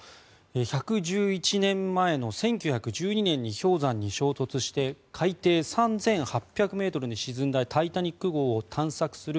１１１年前の１９１２年に氷山に衝突して海底３８００ｍに沈んだ「タイタニック号」を探索する